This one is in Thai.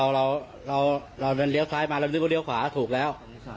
เราเลี้ยวซ้ายมาเรานึกว่าเลี้ยวขวาถูกแล้ว